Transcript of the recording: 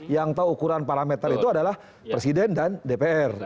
yang tahu ukuran parameter itu adalah presiden dan dpr